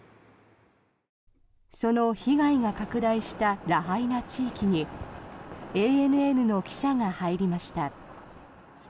その被害が拡大したラハイナ地域にＡＮＮの記者が入りました。